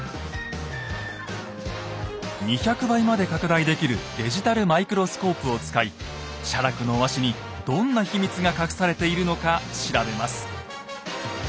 ２００倍まで拡大できるデジタルマイクロスコープを使い写楽の和紙にどんな秘密が隠されているのか調べます。